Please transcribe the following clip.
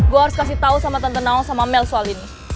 gue harus kasih tahu sama tante naul sama mel soal ini